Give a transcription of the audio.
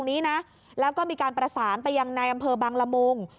ในเขตชุมชนนั้นเขาก็ช่วย